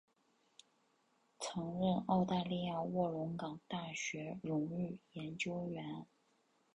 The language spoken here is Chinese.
曾任澳大利亚卧龙岗大学荣誉研究员。